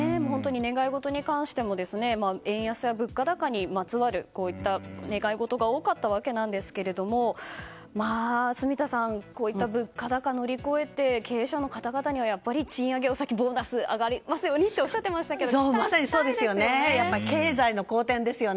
願い事に関しても円安や物価高にまつわる願い事が多かったわけなんですけど住田さん、物価高を乗り越えて経営者の方々には賃上げやボーナスが上がりますようにとおっしゃっていましたけど経済の好転ですよね。